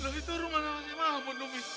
lo itu rumah si mahmud mi